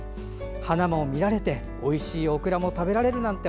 花も見られておいしいオクラも食べられるなんて